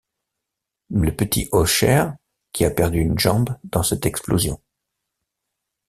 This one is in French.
Le petit Osher, qui a perdu une jambe dans cette explosion.